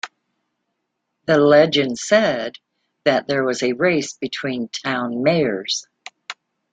The legend said that there was a race between town mayors.